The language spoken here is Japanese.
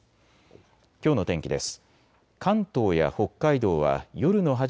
きょうの天気です。